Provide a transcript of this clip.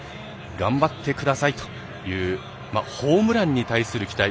頑張ってくださいというホームランに対する期待。